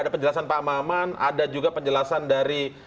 terima kasih juga penjelasan dari